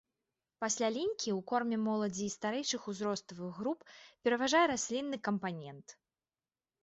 Пасля лінькі ў корме моладзі і старэйшых узроставых груп пераважае раслінны кампанент.